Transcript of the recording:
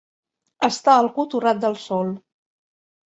Estar algú torrat del sol.